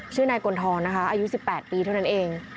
ชื่อนายกลทองนะคะอายุ๑๘ปีเท่านั้นเอง